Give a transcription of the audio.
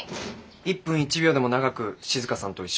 １分１秒でも長く静さんと一緒にいたいのでは。